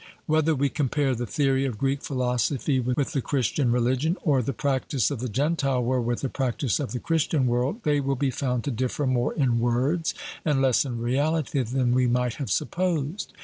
Whether we compare the theory of Greek philosophy with the Christian religion, or the practice of the Gentile world with the practice of the Christian world, they will be found to differ more in words and less in reality than we might have supposed.